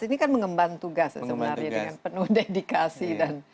ini kan mengembang tugas sebenarnya dengan penuh dedikasi